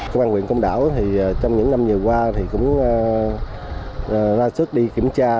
công an huyện công đảo trong những năm vừa qua thì cũng ra sức đi kiểm tra